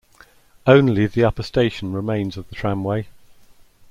Only the upper station remains of the tramway.